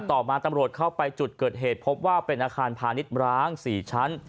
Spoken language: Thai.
ต่อมาตำรวจเข้าไปจุดเกิดเหตุพบว่าเป็นอาคารพาณิชย์ร้าง๔ชั้น